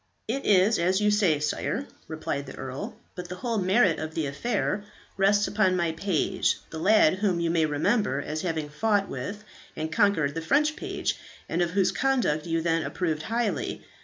"It is as you say, sire," replied the earl; "but the whole merit of the affair rests upon my page, the lad whom you may remember as having fought with and conquered the French page, and of whose conduct you then approved highly.